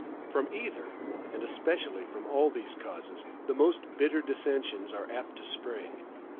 From either, and especially from all these causes, the most bitter dissensions are apt to spring.